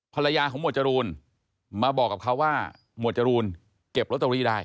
ภรรยาของหมวดจรูนมาบอกกับเขาว่าหมวดจรูนเก็บลอตเตอรี่ได้